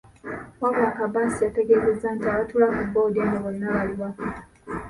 Wabula Kabatsi yategeezezza nti abatuula ku boodi eno bonna bali waka.